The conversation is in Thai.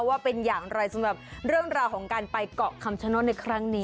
ว่าเป็นอย่างไรสำหรับเรื่องราวของการไปเกาะคำชโนธในครั้งนี้